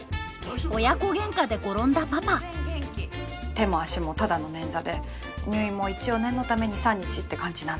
親子げんかで転んだパパ手も足もただの捻挫で入院も一応念のため２３日って感じなんで。